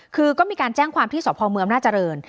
คือก็มีการแจ้งความที่สพเมืองอำนาจริง